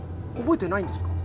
覚えてないんですか？